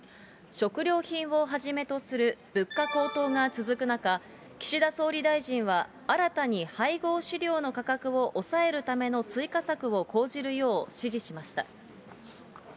食料品をはじめとする物価高騰が続く中、岸田総理大臣は、新たに配合飼料の価格を抑えるための追加策を講じるよう指示しました。